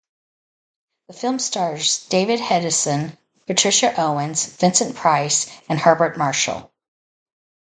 The film stars David Hedison, Patricia Owens, Vincent Price and Herbert Marshall.